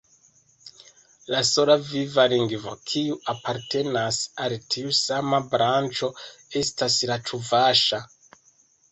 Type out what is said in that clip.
La sola viva lingvo kiu apartenas al tiu sama branĉo estas la Ĉuvaŝa.